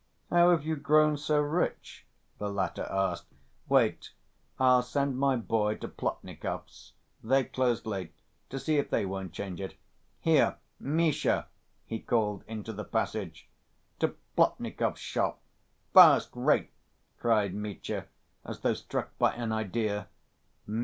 "How have you grown so rich?" the latter asked. "Wait, I'll send my boy to Plotnikov's, they close late—to see if they won't change it. Here, Misha!" he called into the passage. "To Plotnikov's shop—first‐rate!" cried Mitya, as though struck by an idea.